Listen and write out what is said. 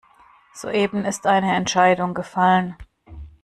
Soeben ist eine Entscheidung gefallen.